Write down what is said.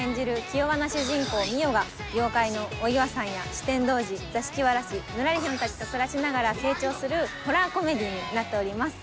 気弱な主人公澪が妖怪のお岩さんや酒呑童子座敷わらしぬらりひょんたちと暮らしながら成長するホラーコメディーになっております。